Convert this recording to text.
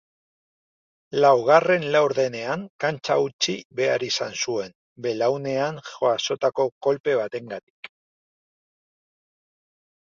Laugarren laurdenean kantxa utzi behar izan zuen, belaunean jasotako kolpe batengatik.